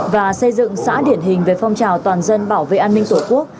và xây dựng xã điển hình về phong trào toàn dân bảo vệ an ninh tổ quốc